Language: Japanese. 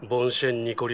・ニコリ